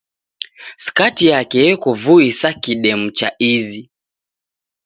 Skati yake yeko vui sa kidemu cha izi